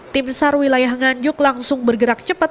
tim sar wilayah nganjuk langsung bergerak cepat